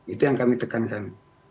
itu yang kami tekankan